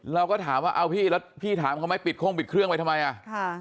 เราก็ถามว่าเอาพี่แล้วพี่ถามเขาไหมปิดโค้งปิดเครื่องไปทำไมอ่ะค่ะ